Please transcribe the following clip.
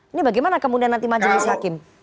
ini bagaimana kemudian nanti majelis hakim